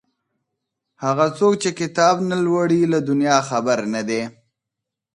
هغه څوک چي کتاب نه لوړي له دنيا خبر نه دی.